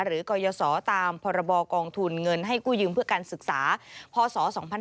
กรยศตามพรบกองทุนเงินให้กู้ยืมเพื่อการศึกษาพศ๒๕๕๙